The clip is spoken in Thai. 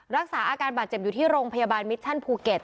รักษาอาการบาดเจ็บอยู่ที่โรงพยาบาลมิชชั่นภูเก็ต